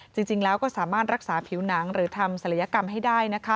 จริงแล้วก็สามารถรักษาผิวหนังหรือทำศัลยกรรมให้ได้นะคะ